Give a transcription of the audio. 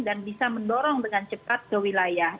dan bisa mendorong dengan cepat ke wilayah